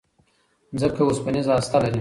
ځمکه اوسپنيزه هسته لري.